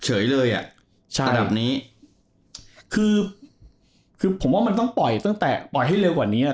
เฉยเลยอ่ะใช่ขนาดนี้คือคือผมว่ามันต้องปล่อยตั้งแต่ปล่อยให้เร็วกว่านี้อ่ะ